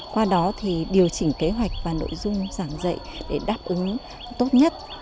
qua đó thì điều chỉnh kế hoạch và nội dung giảng dạy để đáp ứng tốt nhất